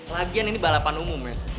lagian ini balapan umum ya